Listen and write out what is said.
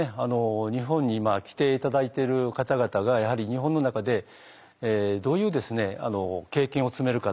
日本に来て頂いてる方々がやはり日本の中でどういう経験を積めるかと。